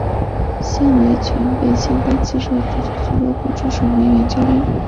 现为全北现代汽车足球俱乐部之守门员教练。